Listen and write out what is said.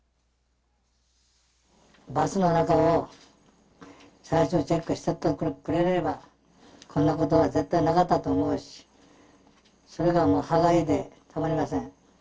バスの中を最終チェックしててくれていれば、こんなことは絶対なかったと思うし、それがもう歯がゆくてたまりません。